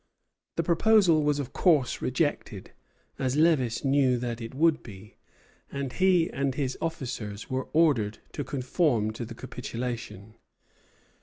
The proposal was of course rejected, as Lévis knew that it would be, and he and his officers were ordered to conform to the capitulation.